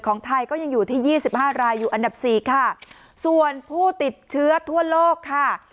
ของไทยก็ยังอยู่ที่๒๕รายอยู่อันดับ๔ค่ะส่วนผู้ติดเชื้อทั่วโลกค่ะ